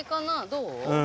どう？